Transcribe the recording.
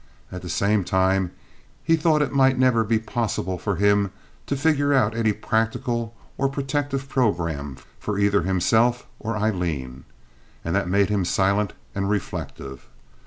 At the same time he thought it might never be possible for him to figure out any practical or protective program for either himself or Aileen, and that made him silent and reflective.